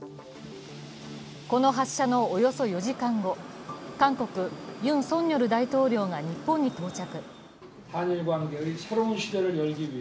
この発射のおよそ４時間後、韓国ユン・ソンニョル大統領が日本に到着。